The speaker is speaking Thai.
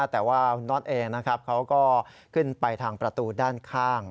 แต่ว่าคุณน็อตเองนะครับเขาก็ขึ้นไปทางประตูด้านข้าง